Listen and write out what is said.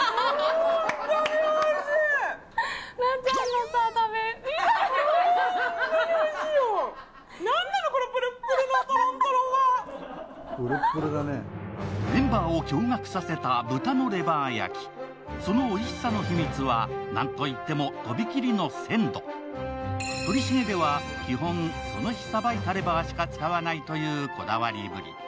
なっちゃんのさ食べプルップルだねメンバーを驚がくさせた豚のレバー焼きそのおいしさの秘密はなんといってもとびきりの鮮度鳥茂では基本その日さばいたレバーしか使わないというこだわりぶり